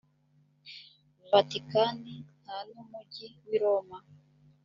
vatikani nta numujyi w’iroma.